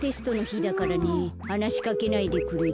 はなしかけないでくれる？